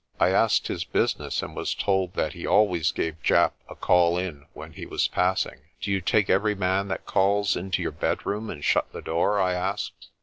I asked his business, and was told that he always gave Japp a call in when he was passing. "Do you take every man that calls into your bedroom, and shut the door?" I asked.